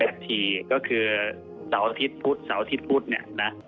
อีกทีก็คือเสาร์อาทิตย์พุธเสาร์อาทิตย์พุธเนี่ยนะ